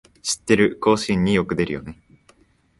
知ってる、甲子園によく出るよね